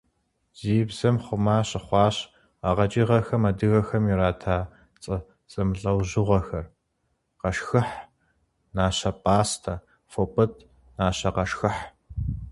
Ди бзэм хъума щыхъуащ а къэкӀыгъэхэм адыгэхэм ирата цӀэ зэмылӀэужьыгъуэхэр: къэшхыхь, нащэпӀастэ, фопӀытӀ, нащэкъэшхыхь.